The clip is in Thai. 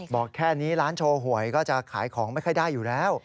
บอกแค่นี้ร้านโชว์หวยก็จะขายของไม่ค่อยได้อยู่แล้ว